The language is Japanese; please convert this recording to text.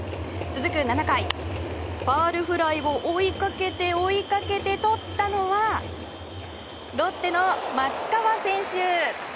続く７回、ファウルフライを追いかけて、追いかけてとったのはロッテの松川選手。